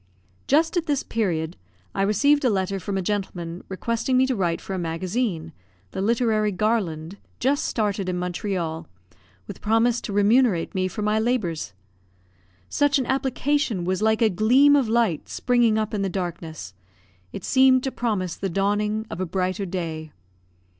Just at this period I received a letter from a gentleman, requesting me to write for a magazine (the Literary Garland) just started in Montreal, with promise to remunerate me for my labours. Such an application was like a gleam of light springing up in the darkness; it seemed to promise the dawning of a brighter day.